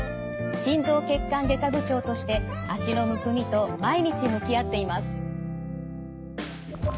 心臓血管外科部長として脚のむくみと毎日向き合っています。